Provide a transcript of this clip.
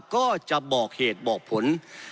ก็จะบอกเหตุบอกผล